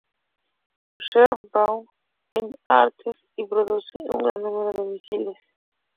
Su Heart Hybrid Gear es "Ares", y produce un gran número de misiles.